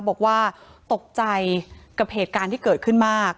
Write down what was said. บอกว่าตกใจกับเหตุการณ์ที่เกิดขึ้นมาก